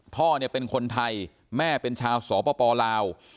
พ่อเนี่ยเป็นคนไทยแม่เป็นชาวสปลาว